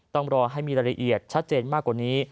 ต้องรอให้มีรายละเอียดชัดเจนมากกว่านี้